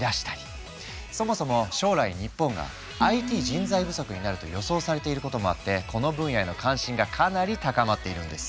そもそも将来日本がＩＴ人材不足になると予想されていることもあってこの分野への関心がかなり高まっているんです。